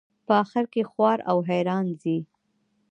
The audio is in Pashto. په آخر کې خوار او حیران ځي.